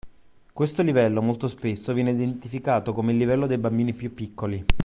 Questo livello molto spesso viene identificato come il livello dei bambini più piccoli